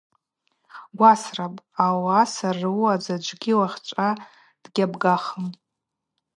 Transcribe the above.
Гвасрапӏ, ауаса рыуа заджвыгьи уахьчӏва дгьабгахым.